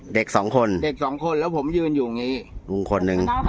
เด็กสองคนเด็กสองคนแล้วผมยืนอยู่อย่างนี้ลุงคนหนึ่ง